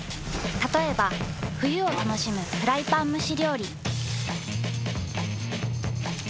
たとえば冬を楽しむフライパン蒸し料理。